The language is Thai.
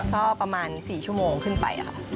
ก็ประมาณ๔ชั่วโมงขึ้นไปค่ะ